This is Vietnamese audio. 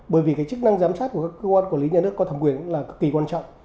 bởi vì cái chức năng giám sát của các cơ quan quản lý nhà nước có thẩm quyền là cực kỳ quan trọng